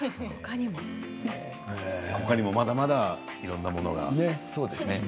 ほかにもまだまだいろんなものがあるんですね。